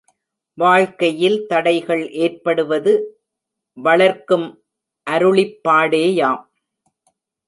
வாழ்க்கையில் தடைகள் ஏற்படுவது வளர்க்கும் அருளிப்பாடேயாம்.